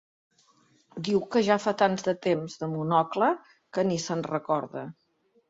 Diu que ja fa tant de temps de “Monocle” que ni se'n recorda.